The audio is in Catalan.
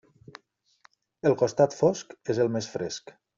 El costat fosc és el més fresc.